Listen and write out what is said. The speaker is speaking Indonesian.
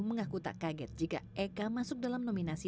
mengaku tak kaget jika eka masuk dalam nominasi